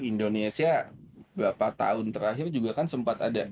indonesia beberapa tahun terakhir juga kan sempat ada